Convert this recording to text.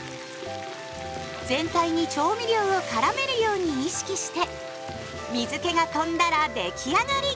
全体に調味料をからめるように意識して水けがとんだら出来上がり！